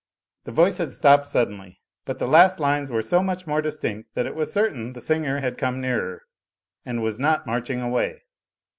The voice had stopped suddenly, but the last lines were so much more distinct that it was certain the singer had come nearer, and was not marching away.